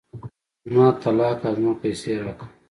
زما طلاق او زما پيسې راکه.